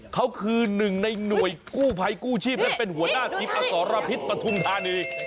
เขาคือหนึ่งในหน่วยกู้ภัยกู้ชีพนั้นเป็นหัวหน้าทีมอสรพิษปฐุมธานี